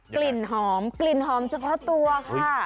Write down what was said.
กลิ่นหอมเกือบชาวตัวค่ะ